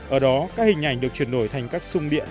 ở đó các hình ảnh được chuyển đổi thành các sung điện